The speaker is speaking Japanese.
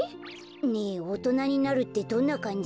ねえおとなになるってどんなかんじ？